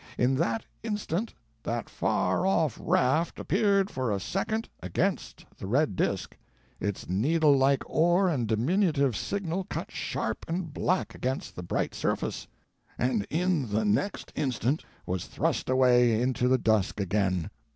In that instant that far off raft appeared for a second against the red disk, its needlelike oar and diminutive signal cut sharp and black against the bright surface, and in the next instant was thrust away into the dusk again.